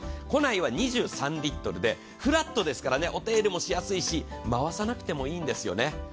庫内は２３リットル、フラットですからお手入れも簡単、回さなくてもいいんですよね。